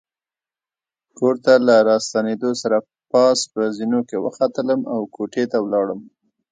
کور ته له راستنېدو سره پاس په زینو کې وختلم او کوټې ته ولاړم.